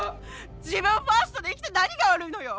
自分ファーストで生きて何が悪いのよ。